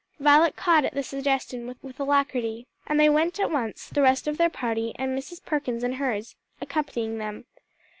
Violet caught at the suggestion with alacrity, and they went at once, the rest of their party, and Mrs. Perkins and hers, accompanying them.